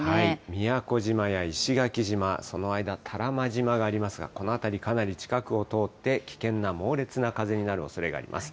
宮古島や石垣島、その間、多良間島がありますが、この辺り、かなり近くを通って、危険な猛烈な風になるおそれがあります。